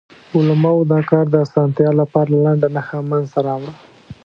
علماوو د کار د اسانتیا لپاره لنډه نښه منځ ته راوړه.